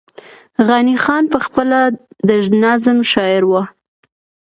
غني خان پخپله د نظم شاعر وو